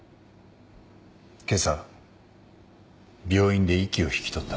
今朝病院で息を引き取った。